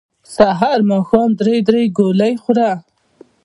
سحر ماښام درې درې ګولۍ خوره